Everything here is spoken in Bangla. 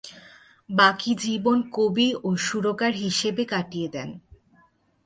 বাকি জীবন কবি ও সুরকার হিসেবে কাটিয়ে দেন।